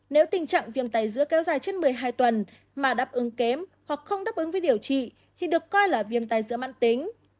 nếu tình trạng viêm tai dữa kéo dài trên một mươi hai tuần mà đáp ứng kém hoặc không đáp ứng với điều trị thì được coi là viêm tai dữa mạng tính